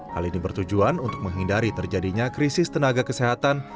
hal ini bertujuan untuk menghindari terjadinya krisis tenaga kesehatan